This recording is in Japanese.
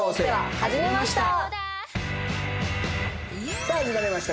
さあ始まりました